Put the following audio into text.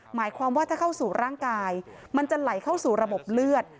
หมายความว่าถ้าเข้าสู่ร่างกายมันจะไหลเข้าสู่ระบบเลือด